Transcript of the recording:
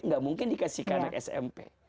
gak mungkin dikasih ke anak smp